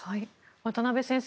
渡邊先生